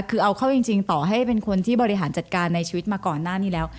คือเอาเข้าจริงต่อให้เป็นคนที่บริหารจัดการในชีวิตมาก่อนหน้านี้แล้ว